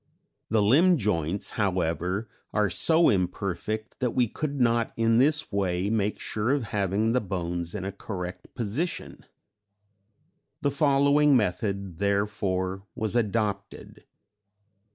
The limb joints, however, are so imperfect that we could not in this way make sure of having the bones in a correct position. The following method, therefore, was adopted.